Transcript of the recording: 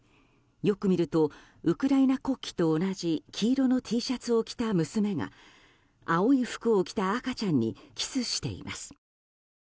よく見るとウクライナ国旗と同じ黄色のＴシャツを着た娘が青い服を着た赤ちゃんにキスしています。